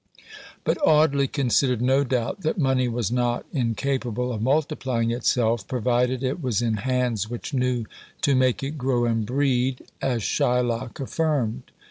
But Audley considered no doubt that money was not incapable of multiplying itself, provided it was in hands which knew to make it grow and "breed," as Shylock affirmed.